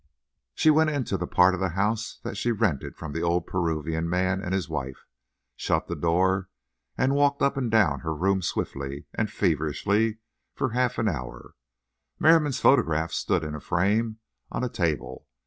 She went into the part of the house that she rented from the old Peruvian man and his wife, shut the door, and walked up and down her room swiftly and feverishly for half an hour. Merriam's photograph stood in a frame on a table.